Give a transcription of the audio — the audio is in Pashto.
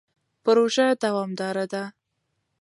پروژه دوامداره ده.